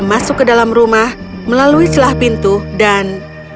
masuk ke dalam rumah melalui celah pintu dan